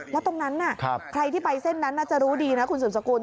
แล้วตรงนั้นใครที่ไปเส้นนั้นน่าจะรู้ดีนะคุณสืบสกุล